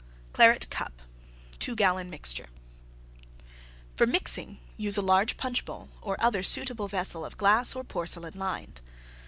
CLARET CUP (2 gallon mixture) For mixing use a large Punch bowl or other suitable vessel of glass or porcelain lined.